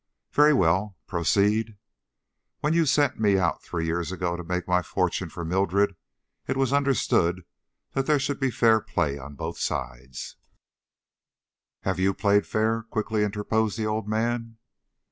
"Very well. Proceed." "When you sent me out three years ago to make a fortune for Mildred, it was understood that there should be fair play on both sides " "Have you played fair?" quickly interposed the old man.